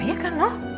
ya kan noh